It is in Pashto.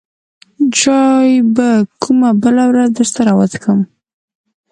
چاى به کومه بله ورځ درسره وڅکم.